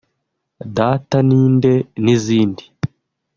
Data ninde n’izindi